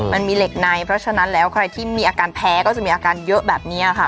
มันมีเหล็กในเพราะฉะนั้นแล้วใครที่มีอาการแพ้ก็จะมีอาการเยอะแบบนี้ค่ะ